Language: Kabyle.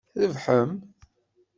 Trebḥem?